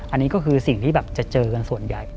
อันนี้ก็คือสิ่งที่แบบจะเจอกันส่วนใหญ่